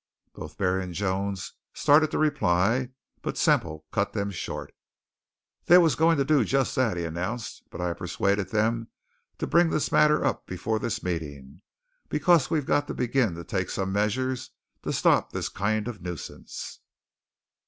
Both Barry and Jones started to reply, but Semple cut them short. "They was going to do just that," he announced, "but I persuaded them to bring this matter up before this meetin' because we got to begin to take some measures to stop this kind of a nuisance.